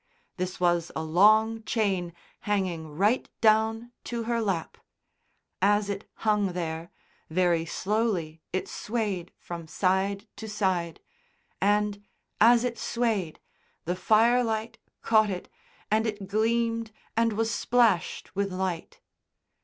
This was a long chain hanging right down to her lap; as it hung there, very slowly it swayed from side to side, and as it swayed, the firelight caught it and it gleamed and was splashed with light.